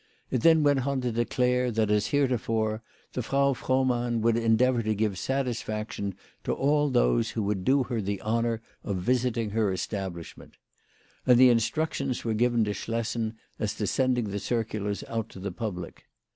It then went on to declare that, as heretofore, the Frau Frohmann would endeavour to give satisfac tion to all those who would do her the honour of visiting her establishment. And instructions were given to Schlessen as to sending the circulars out to the public.